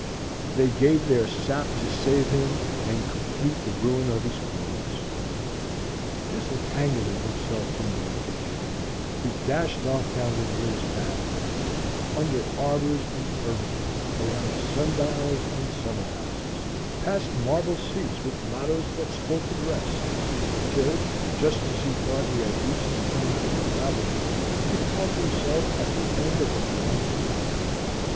They gave their sap to save him and complete the ruin of his clothes. Disentangling himself from the wreckage, he dashed off down the nearest path, under arbors and pergolas, around sun dials and summer houses, past marble seats with mottos that spoke of rest; till, just as he thought he had reached the edge of the labyrinth, he found himself at the end of a blind alley.